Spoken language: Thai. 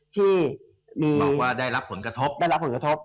ที่มีบอกว่าได้รับผลกระทบ